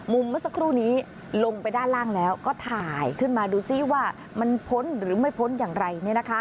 เมื่อสักครู่นี้ลงไปด้านล่างแล้วก็ถ่ายขึ้นมาดูซิว่ามันพ้นหรือไม่พ้นอย่างไร